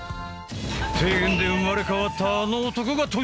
提言で生まれ変わったあの男が登場！